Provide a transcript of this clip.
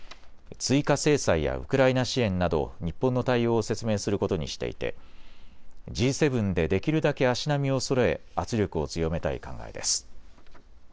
追加制裁やウクライナ支援など日本の対応を説明することにしていてＧ７で、できるだけ足並みをそろえ圧力を強めたい考えです。